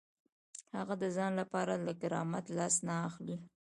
هغه د ځان لپاره له کرامت لاس نه اخلي.